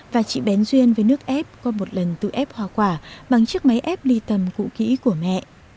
và chị bén duyên với nước ép có một lần tự ép hòa quả bằng chiếc máy ép ly tầm cụ kỹ của mẹ